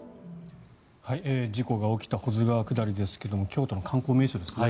事故が起きた保津川下りですけども京都の観光名所ですね。